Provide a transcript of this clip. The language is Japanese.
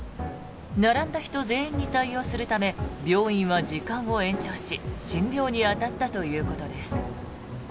並んだ人全員に対応するため病院は時間を延長し診療に当たったということです。